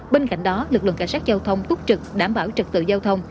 bên cạnh đó lực lượng cảnh sát giao thông tốt trực đảm bảo trực tự giao thông